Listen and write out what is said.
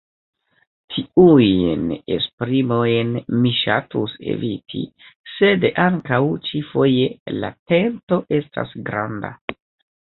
Tiujn esprimojn mi ŝatus eviti, sed ankaŭ ĉi-foje la tento estas granda.